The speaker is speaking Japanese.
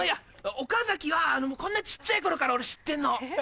岡崎はこんな小っちゃい頃から俺知ってんの。